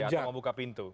atau membuka pintu